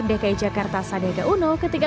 dki jakarta sandiaga uno ketika